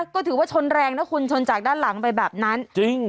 ก็ถือว่าชนแรงนะคุณชนจากด้านหลังไปแบบนั้นจริง